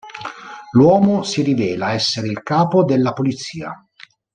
L'uomo si rivela essere il capo della polizia.